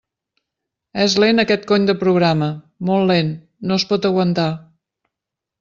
És lent aquest cony de programa, molt lent, no es pot aguantar!